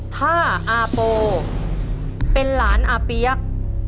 ถ้าอาโปรเป็นหลานอาเปน